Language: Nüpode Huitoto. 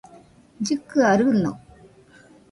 llɨkɨaɨ rɨño